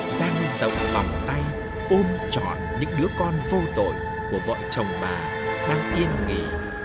giang dậu vòng tay ôm trọn những đứa con vô tội của vợ chồng bà đang yên nghỉ dưới những nấm mồ